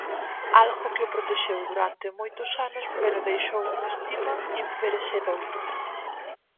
Algo que o protexeu durante moitos anos pero deixou un estigma imperecedoiro.